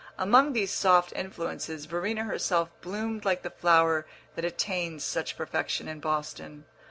Among these soft influences Verena herself bloomed like the flower that attains such perfection in Boston.